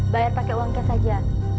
bayar pake uang kes aja